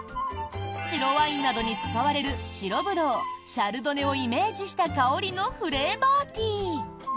白ワインなどに使われる白ブドウシャルドネをイメージした香りのフレーバーティー。